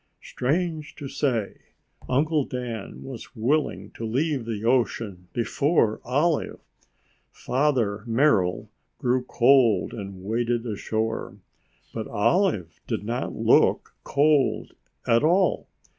Strange to say, Uncle Dan was willing to leave the ocean before Olive. Father Merrill grew cold and waded ashore, but Olive did not look cold at all.